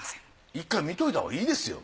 １回見といたほうがいいですよ。